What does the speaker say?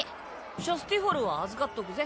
シャスティフォルは預かっとくぜ。